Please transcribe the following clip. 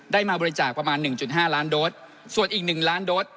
ได้มาบริจาคประมาณหนึ่งจุดห้าร้านโดรสส่วนอีกหนึ่งล้านโดรส